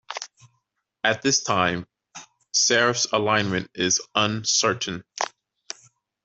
At this time, Seraph's alignment is uncertain.